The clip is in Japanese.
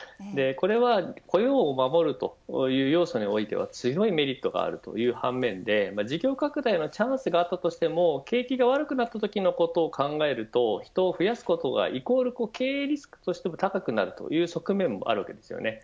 これは雇用を守るという要素においては強いメリットがある反面で事業拡大のチャンスがあったとしても景気が悪くなったときのことを考えると人を増やすことがイコール経営リスクとしても高くなるという側面もあるわけです。